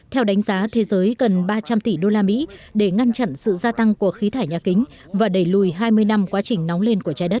theo đánh giá thế giới cần ba trăm linh tỷ usd để ngăn chặn sự gia tăng của khí thải nhà kính và đẩy lùi hai mươi năm quá trình nóng lên của trái đất